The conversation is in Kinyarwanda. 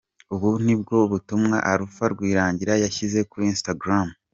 Ubu nibwo butumwa Alpha Rwirangira yashyize kuri Instagram.